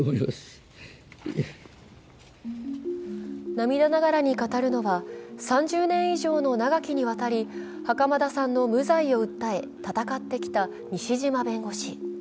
涙ながらに語るのは、３０年以上の長きにわたり袴田さんの無罪を訴え、闘ってきた西嶋弁護士。